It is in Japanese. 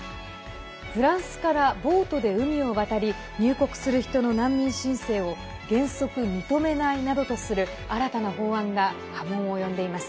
フランスからボートで海を渡り入国する人の難民申請を原則認めないなどとする新たな法案が波紋を呼んでいます。